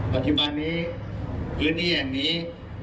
ปัจจุบันนี้พื้นที่แห่งนี้